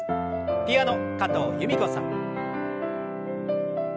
ピアノ加藤由美子さん。